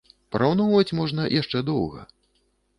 Параўноўваць можна яшчэ доўга.